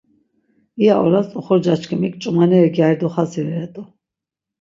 İya oras oxorcaçkimik ç̆umaneri gyari doxazireret̆u.